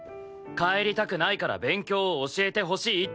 帰りたくないから勉強を教えてほしいって。